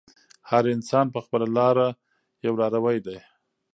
هر انسان په خپله لاره یو لاروی دی.